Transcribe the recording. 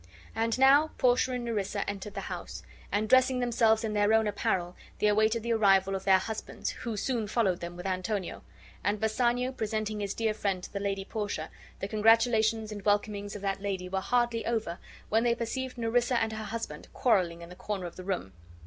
And now Portia and Nerissa entered the house, and, dressing themselves in their own apparel, they awaited the arrival of their husbands, who soon followed them with Antonio; and Bassanio presenting his dear friend to the Lady Portia, the congratulations and welcomings of that lady were hardly over when they perceived Nerissa and her husband quarreling in a corner of the room.